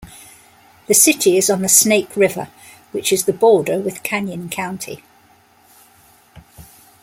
The city is on the Snake River, which is the border with Canyon County.